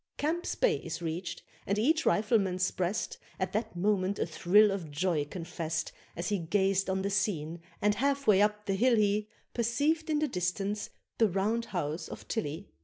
Camp's Bay is reached, and each Rifleman's breast At that moment a thrill of joy confest, As he gazed on the scene, and half way up the hill he Perceived in the distance the round house of Tilley.